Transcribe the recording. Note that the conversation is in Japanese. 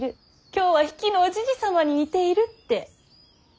今日は比企のおじじ様に似ているって。